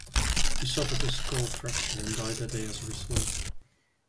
He suffered a skull fracture and died that day as a result.